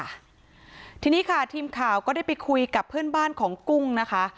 ค่ะทีนี้ค่ะทีมข่าวก็ได้ไปคุยกับเพื่อนบ้านของกุ้งนะคะ